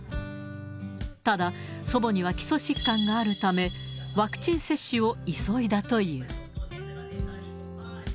ただ、祖母には基礎疾患があるため、ワクチン接種を急いだという。